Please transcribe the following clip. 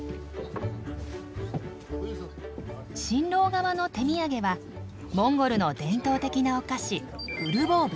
新郎側の手土産はモンゴルの伝統的なお菓子ウルボーブ。